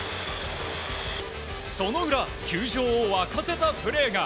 その裏、球場を沸かせたプレーが。